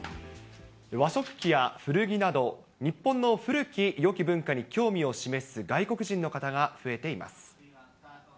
和食器や古着など、日本の古きよき文化に興味を示す外国人の方が増えています。